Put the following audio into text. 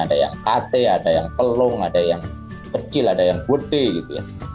ada yang at ada yang telung ada yang kecil ada yang putih gitu ya